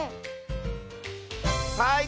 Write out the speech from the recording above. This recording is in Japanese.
はい！